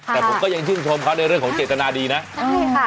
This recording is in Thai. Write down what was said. แต่ผมก็ยังชื่นชมเขาในเรื่องของเจตนาดีนะใช่ค่ะ